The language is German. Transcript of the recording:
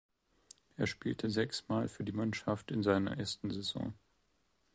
Er spielte sechs Mal für die Mannschaft in seiner ersten Saison.